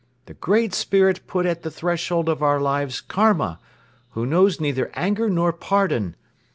The Great Spirit put at the threshold of our lives Karma, who knows neither anger nor pardon.